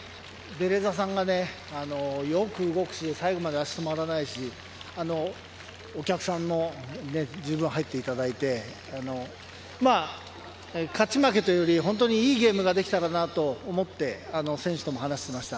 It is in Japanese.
ベレーザさんがよく動くし、最後まで足が止まらないし、お客さんもじゅうぶん入っていただいて、勝ち負けというよりは、いいゲームができたらなと思って選手とも話していました。